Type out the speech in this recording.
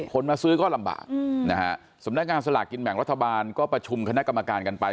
มาซื้อก็ลำบากนะฮะสำนักงานสลากกินแบ่งรัฐบาลก็ประชุมคณะกรรมการกันไป